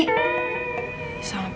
sama papanya sendiri